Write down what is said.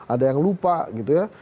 ada yang lupa gitu ya